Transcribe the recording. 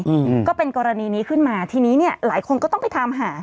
อืมก็เป็นกรณีนี้ขึ้นมาทีนี้เนี้ยหลายคนก็ต้องไปตามหา